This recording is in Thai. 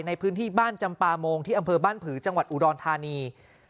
ในพื้นที่บ้านจำปาโมงที่อำเภอบ้านผือจังหวัดอุดรธานี